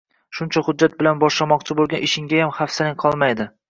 Shuncha hujjat bilan boshlamoqchi boʻlgan ishinggayam hafsalang qolmaydi.